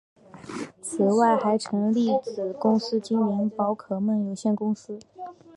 此外还成立子公司精灵宝可梦有限公司。